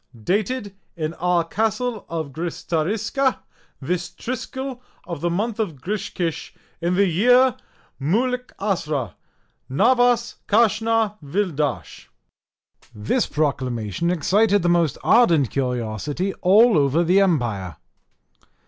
Dated in our Castle of Gristariska this Triskill of the month of Griskish, in the year Moulikasra navas kashna vildash. This proclamation excited the most ardent curiosity all over the empire.